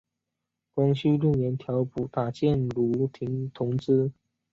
光绪六年调补打箭炉厅同知。